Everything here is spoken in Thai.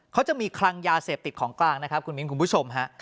เขาจะมีคลังยาเสพติดของกลางนะครับคุณมิ้นคุณผู้ชมฮะ